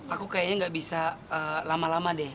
aku kayaknya gak bisa lama lama deh